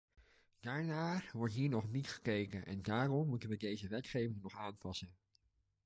Daarnaar wordt hier nog niet gekeken en daarom moeten we deze wetgeving nog aanpassen.